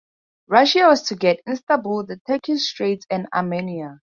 Russia was to get Istanbul, the Turkish Straits and Armenia.